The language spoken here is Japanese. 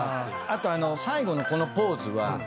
あと最後のこのポーズは。